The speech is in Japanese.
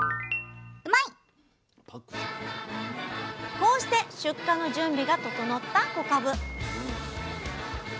こうして出荷の準備が整った小かぶ。